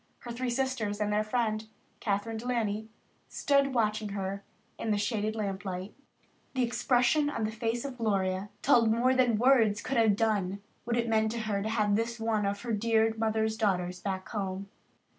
Her three sisters and their friend, Kathryn De Laney, stood watching her in the shaded lamp light. The expression on the face of Gloria told more than words could have done what it meant to her to have this one of her dear mother's daughters back in the home.